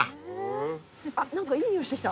あっ何かいい匂いしてきた。